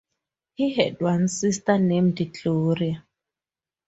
He had one sister named Gloria.